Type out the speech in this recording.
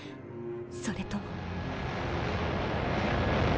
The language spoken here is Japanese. それとも。